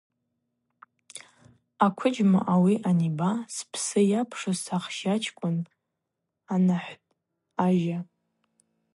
Аквыджьма ауи анаба: – Спсы йапшу сахща чкӏвын, – анахӏвтӏ ажьа.